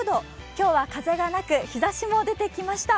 今日は風がなく、日ざしも出てきました。